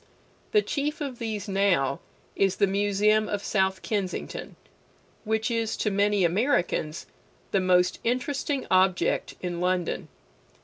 The chief of these now is the Museum of South Kensington, which is to many Americans the most interesting object in London.